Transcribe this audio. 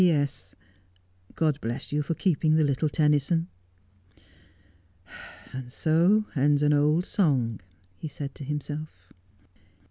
' P.S. — God bless you for keeping the little Tennyson.' ' So ends an old song,' he said to himself.